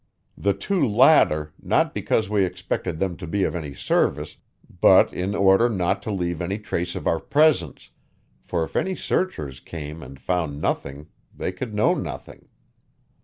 The two latter not because we expected them to be of any service, but in order not to leave any trace of our presence, for if any searchers came and found nothing they could know nothing.